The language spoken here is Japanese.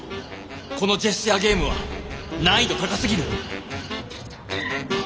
このジェスチャーゲームは難易度高すぎる！